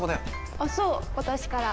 あっそう今年から。